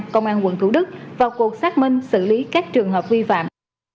công an quận thủ đức vào cuộc xác minh xử lý các trường hợp vi phạm